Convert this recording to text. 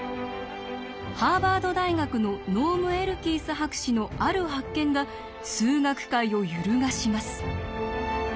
ハーバード大学のノーム・エルキース博士のある発見が数学界を揺るがします。